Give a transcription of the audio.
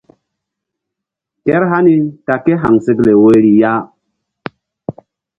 Kehr hani ta kéhaŋsekle woyri ya.